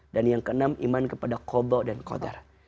dan yang keenam iman kepada kodok dan kodar